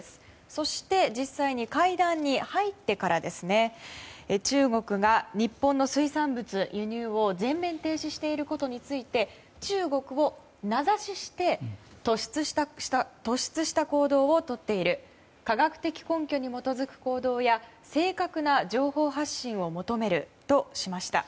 そして、実際に会談に入ってから中国が日本の水産物輸入を全面停止していることについて中国を名指しして突出した行動をとっている科学的根拠に基づく行動や正確な情報発信を求めるとしました。